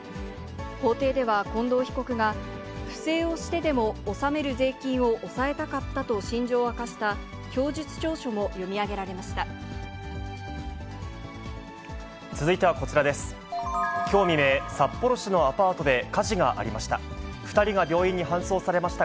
法廷では近藤被告が、不正をしてでも納める税金を抑えたかったと心情を明かした供述調書も読み上げられました。